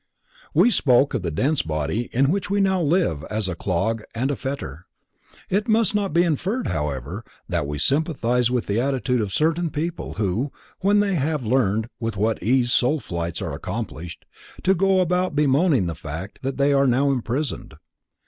We spoke of the dense body in which we now live, as a "clog" and a "fetter." It must not be inferred, however, that we sympathize with the attitude of certain people who, when they have learned with what ease soul flights are accomplished, go about bemoaning the fact that they are now imprisoned.